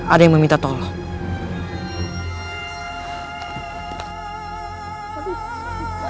ada yang meminta tolong